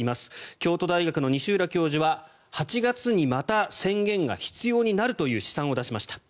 京都大学の西浦教授は、８月にまた宣言が必要になるという試算を出しました。